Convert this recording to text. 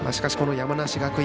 山梨学院